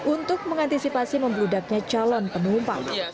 untuk mengantisipasi membludaknya calon penumpang